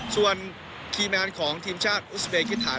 ส่วนคีย์แมนของทีมชาติอุสเบกิฐาน